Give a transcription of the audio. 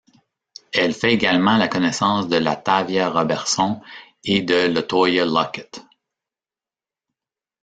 Elle fait également la connaissance de LaTavia Roberson et de LeToya Luckett.